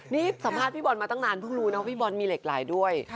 นี่สัมภาษณ์พี่บอลมาตั้งนานเพิ่งรู้นะว่าพี่บอลมีเหล็กไหลด้วย